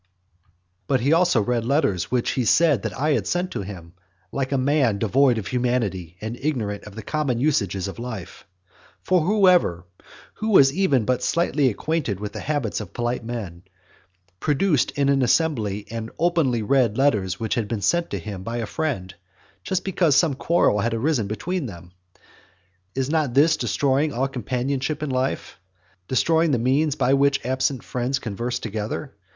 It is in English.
IV. But he also read letters which he said that I had sent to him, like a man devoid of humanity and ignorant of the common usages of life. For who ever, who was even but slightly acquainted with the habits of polite men, produced in an assembly and openly read letters which had been sent to him by a friend, just because some quarrel had arisen between them? Is not this destroying all companionship in life, destroying the means by which absent friends converse together?